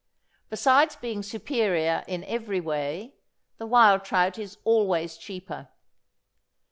Besides being superior in every way, the wild trout is always cheaper.